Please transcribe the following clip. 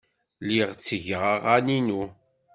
Lliɣ ttgeɣ aɣan-inu.